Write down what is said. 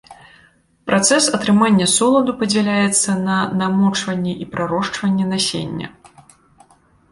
Працэс атрымання соладу падзяляецца на намочванне і прарошчванне насення.